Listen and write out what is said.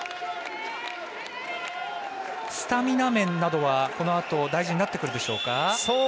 スタミナ面などはこのあと大事になってくるでしょうか。